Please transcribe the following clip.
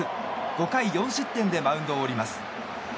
５回４失点でマウンドを降ります。